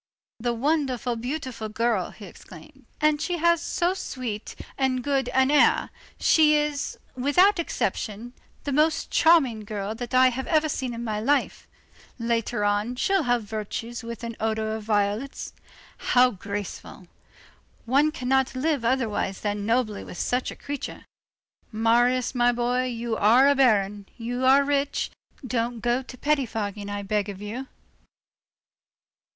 "The wonderful, beautiful girl!" he exclaimed. "And she has so sweet and good an air! she is, without exception, the most charming girl that I have ever seen in my life. Later on, she'll have virtues with an odor of violets. How graceful! one cannot live otherwise than nobly with such a creature. Marius, my boy, you are a Baron, you are rich, don't go to pettifogging, I beg of you."